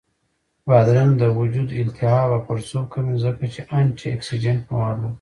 بادرنګ د وجود التهاب او پړسوب کموي، ځکه چې انټياکسیدنټ مواد لري